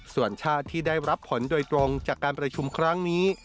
ส่วนชาติที่ได้รับผลโดยตรงจากการประชุมครั้งนี้